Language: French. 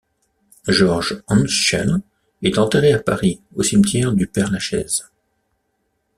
Georges Hoentschel est enterré à Paris au cimetière du Père-Lachaise.